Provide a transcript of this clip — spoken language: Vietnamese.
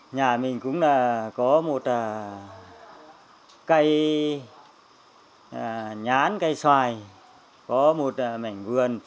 nhà mình cũng có một cây nhãn cây xoài có một mảnh vườn